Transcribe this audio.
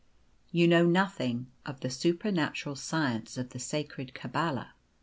You know nothing of the supernatural science of the sacred cabbala.